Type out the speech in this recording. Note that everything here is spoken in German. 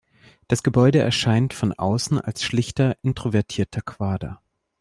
Das Gebäude erscheint von außen als schlichter, introvertierter Quader.